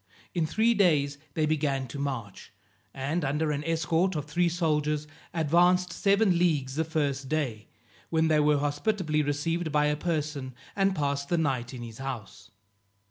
In three days they began to march, and, under an escort of three soldiers, advanced seven leagues the first day, when they were hospitably received by a person, and passed the night in his house.